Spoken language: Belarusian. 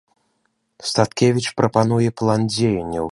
Статкевіч прапануе план дзеянняў.